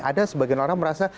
ada sebagian orang merasa